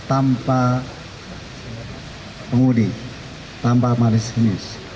tanpa pengudi tanpa manis kemis